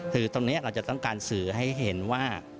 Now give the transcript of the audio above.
คือตรงนี้เราจะต้องการสื่อให้เห็นว่า